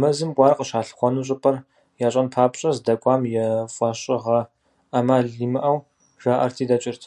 Мэзым кӏуар къыщалъыхъуэну щӏыпӏэр ящӏэн папщӏэ, здэкӏуэм и фӏэщыгъэр, ӏэмал имыӏэу, жаӏэрти дэкӏырт.